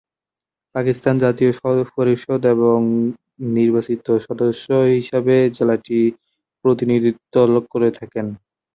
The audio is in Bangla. পাকিস্তান জাতীয় পরিষদ এর নির্বাচিত সদস্য হিসেবে জেলাটির প্রতিনিধিত্ব করে থাকে।